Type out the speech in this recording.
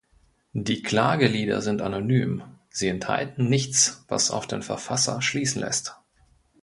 Die Klagelieder sind anonym, sie enthalten nichts, was auf den Verfasser schließen lässt.